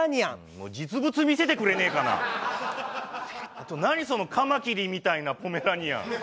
あと何そのカマキリみたいなポメラニアン。